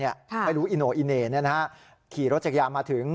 ไม่รู้อิโนอิเน่ขี่รถจักรยานมาถึง